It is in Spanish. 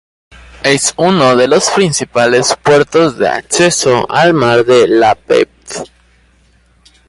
Es uno de los principales puertos de acceso al mar de Láptev.